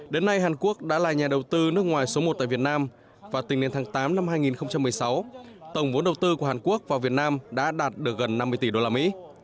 đến nay hàn quốc đã là nhà đầu tư nước ngoài số một tại việt nam và tính đến tháng tám năm hai nghìn một mươi sáu tổng vốn đầu tư của hàn quốc vào việt nam đã đạt được gần năm mươi tỷ đô la mỹ